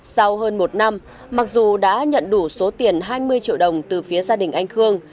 sau hơn một năm mặc dù đã nhận đủ số tiền hai mươi triệu đồng từ phía gia đình anh khương